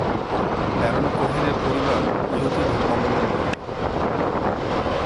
Baron কোহেনের পরিবার ইহুদি ধর্মাবলম্বী।